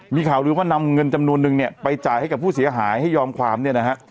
มีข่าวลือว่านำเงินจำนวนนึงเนี่ยไปจ่ายให้กับผู้เสียหายให้ยอมความเนี่ยนะฮะ